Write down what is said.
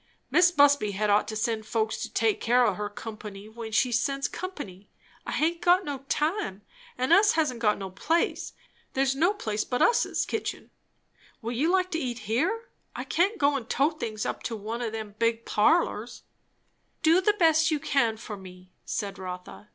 "Mis' Busby had ought to send folks to take care o' her company, when she sends company. I haint got no time. And us hasn't got no place. There's no place but us's kitchen will you like to eat here? I can't go and tote things up to one o' them big parlours." "Do the best you can for me," said Rotha.